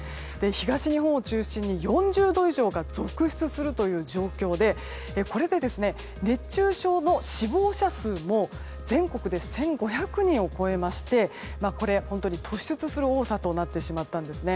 東日本を中心に４０度以上が続出するという状況でこれで熱中症の死亡者数も全国で１５００人を超えまして本当に突出する多さとなってしまったんです。